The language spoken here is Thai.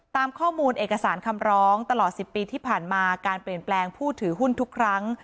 ตามข้อมูลเอกสารคำร้องตลอด๑๐ปีที่ผ่านมาการเปลี่ยนแปลงผู้ถือหุ้นทุกครั้ง